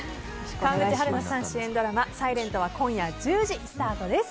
川口春奈さん主演ドラマ「ｓｉｌｅｎｔ」は今夜１０時スタートです。